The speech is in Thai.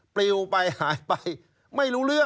ปลิวไปหายไปไม่รู้เรื่อง